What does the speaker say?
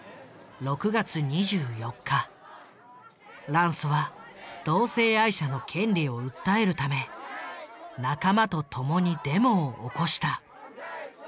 ランスは同性愛者の権利を訴えるため仲間とともにデモを起こした。